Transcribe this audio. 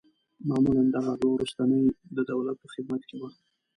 معمولاً دغه دوه وروستني د دولت په خدمت کې وه.